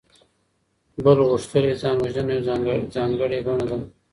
بل غوښتلې ځان وژنه يوه ځانګړې بڼه ده.